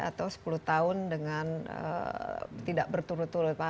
atau sepuluh tahun dengan tidak berturut turut pak